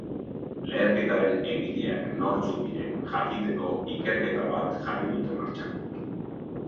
Leherketaren egileak nortzuk diren jakiteko ikerketa bat jarri dute martxan.